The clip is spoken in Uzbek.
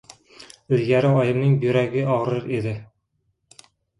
Ilgari oyimning buyragi og‘rir edi.